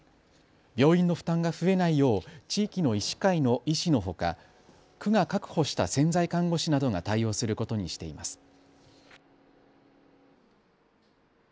病院の負担が増えないよう地域の医師会の医師のほか区が確保した潜在看護師などが対応することにしています。